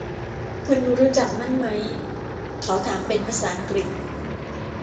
คุณรู้จักนั่นมั้ย ? เขาถามเป็นภาษาอังกฤษ